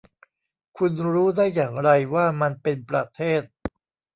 คุณรู้ได้อย่างไรว่ามันเป็นประเทศ